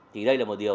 thì đây là một điều